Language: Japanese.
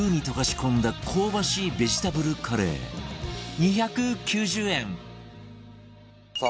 ２９０円さあ。